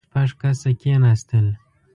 شپږ کسه کېناستل.